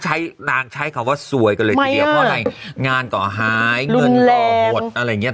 ใช้นางใช้เขาว่าสวยก็เลยเดี๋ยวงานก่อหายเงินก่อหดอะไรเงี้ย